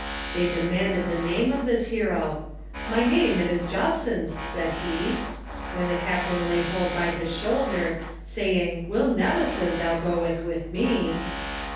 They demanded the name of this hero, "My name it is Jobsons," said he, When the captain laid hold by his shoulder, Saying, "WILL NEVISON thou goeth with me."